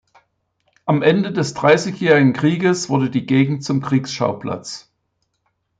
Am Ende des Dreißigjährigen Krieges wurde die Gegend zum Kriegsschauplatz.